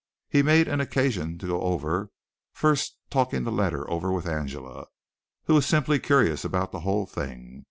He made an occasion to go over, first talking the letter over with Angela, who was simply curious about the whole thing.